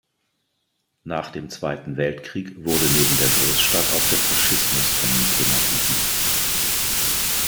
Nach dem Zweiten Weltkrieg wurde neben der Großstadt auch der Faschismus von ihm thematisiert.